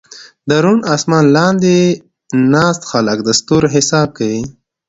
د روڼ اسمان لاندې ناست خلک د ستورو حساب کوي.